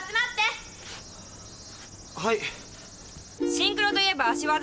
シンクロといえば脚技。